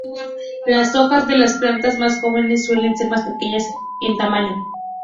Las hojas de las plantas más jóvenes suelen ser más pequeñas en tamaño.